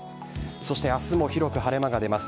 そして明日も広く晴れ間が出ます。